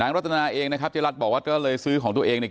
นางรโบราทนาเองนะฮะเจรัสบอกว่าก็เลยซื้อของตัวเองเนี่ย